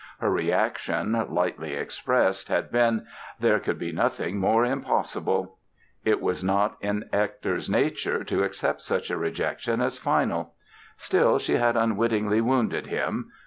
Her reaction, lightly expressed, had been "There could be nothing more impossible!" It was not in Hector's nature to accept such a rejection as final. Still, she had unwittingly wounded him!